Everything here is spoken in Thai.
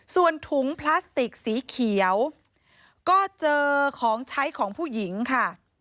ส่วนถุงพลาสติกสีเขียวก็เจอของใช้ของผู้หญิงค่ะ